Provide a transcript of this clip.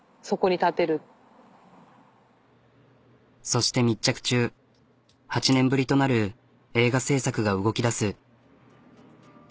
そして密着中８年ぶりとなる映画制作が動きだす。